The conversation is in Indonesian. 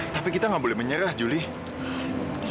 tapi kita nggak boleh menyerah julie